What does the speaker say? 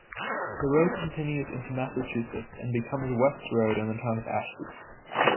The road continues into Massachusetts and becomes West Road in the town of Ashby.